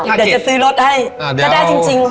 เดี๋ยวจะซื้อรถให้ถ้าได้จริง